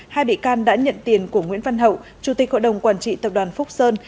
hai bị can đã nhận tiền của nguyễn văn hậu chủ tịch hội đồng quản trị tập đoàn phúc sơn